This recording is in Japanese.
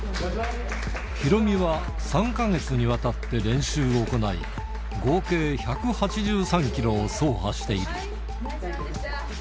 ヒロミは３か月にわたって練習を行い、合計１８３キロを走破している。